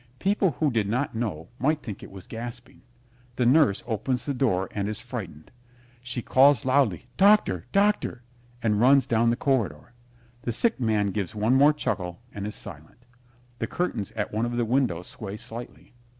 People who did not know might think it was gasping. The Nurse opens the door and is frightened. She loudly calls "Doctor! Doctor!" and runs down the corridor. The Sick Man gives one more chuckle and is silent. The curtains at one of the windows sway slightly.